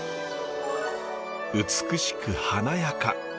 美しく華やか。